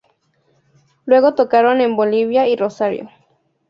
Luego tocaron en Bolivia y Rosario.